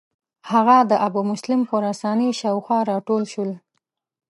هغه د ابومسلم خراساني شاو خوا را ټول شو.